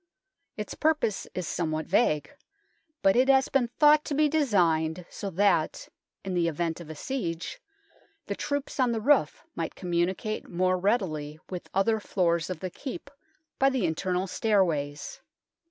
Its purpose is somewhat vague, but it has been thought to be designed so that, in event of a siege, the troops on the roof might communicate more readily with other floors of the Keep by the internal stairways.